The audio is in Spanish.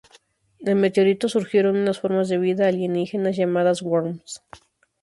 Del meteorito surgieron unas formas de vida alienígenas llamadas Worms.